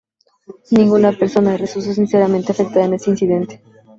Ninguna persona, resultó seriamente afectada en este incidente.